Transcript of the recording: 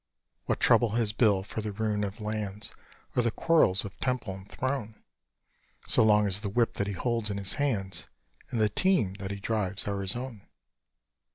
What trouble has Bill for the ruin of lands, Or the quarrels of temple and throne, So long as the whip that he holds in his hands And the team that he drives are his own?